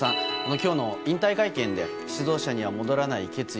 今日の引退会見で指導者には戻らない決意。